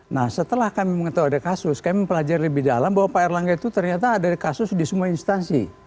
nah setelah kami mengetahui ada kasus kami mempelajari lebih dalam bahwa pak erlangga itu ternyata ada kasus di semua instansi